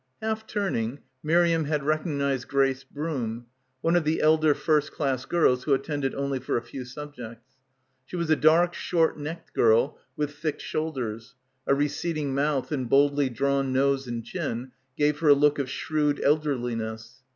Half turn ing, Miriam had recognized Grace Broom, one of the elder first class girls who attended only for a few subjects. She was a dark short necked girl with thick shoulders ; a receding mouth and boldly drawn nose and chin gave her a look of shrewd elderliness.